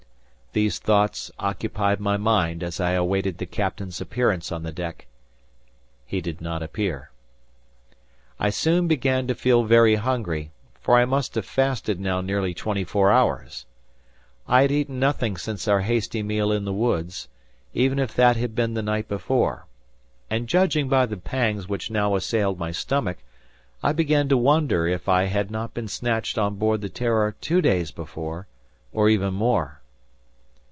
These thoughts occupied my mind as I awaited the captain's appearance on the deck. He did not appear. I soon began to feel very hungry; for I must have fasted now nearly twenty four hours. I had eaten nothing since our hasty meal in the woods, even if that had been the night before. And judging by the pangs which now assailed my stomach, I began to wonder if I had not been snatched on board the "Terror" two days before,—or even more.